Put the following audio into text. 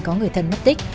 có người thân mất tích